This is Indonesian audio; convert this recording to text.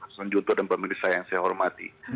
pak sunjuto dan pemirsa yang saya hormati